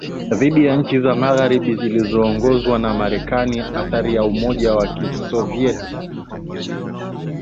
dhidi ya nchi za magharibi zilizoongozwa na Marekani Athira ya Umoja wa Kisovyeti ilipanuka